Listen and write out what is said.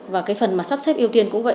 và cái phần mà sắp xếp ưu tiên cũng vậy